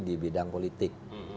di bidang politik